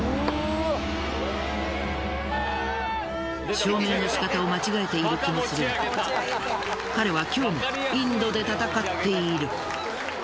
証明の仕方を間違えている気もするが彼は今日もインドで戦っている。